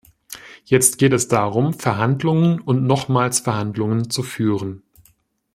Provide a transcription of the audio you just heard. Jetzt geht es darum, Verhandlungen und nochmals Verhandlungen zu führen.